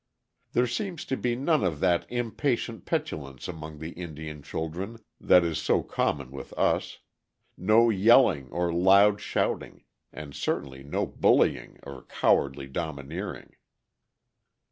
There seems to be none of that impatient petulance among Indian children that is so common with us; no yelling or loud shouting, and certainly no bullying or cowardly domineering.